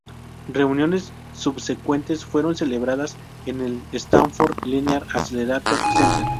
Reuniones subsecuentes fueron celebradas en el Stanford Linear Accelerator Center.